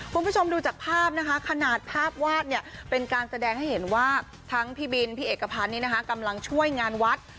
คุณผู้ชมดูจากภาพนะคะขนาดภาพวาดเนี่ยเป็นการแสดงให้เห็นว่าทั้งพี่บินพี่เอกพันธ์นี้นะคะกำลังช่วยงานวัด